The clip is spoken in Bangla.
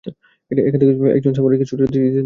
এখান থেকে একজন সামুরাইকে ছুটে যেতে দেখেছো না?